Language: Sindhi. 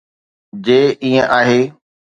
جي ائين آهي.